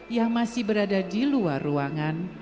yang masih berada di luar ruangan